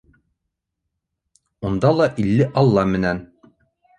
Унда ла илле алла менән.